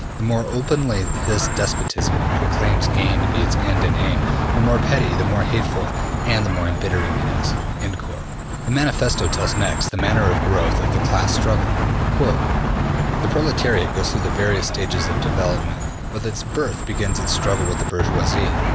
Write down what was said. The more openly this despotism proclaims gain to be its end and aim, the more petty, the more hateful, and the more embittering it is.'' The Manifesto tells next the manner of growth of the class struggle. ``The proletariat goes through various stages of development. With its birth begins its struggle with the bourgeoisie.